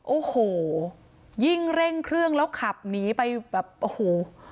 โอ้โหยิ่งเร่งเครื่องแล้วขับหนีไปแบบโอ้โห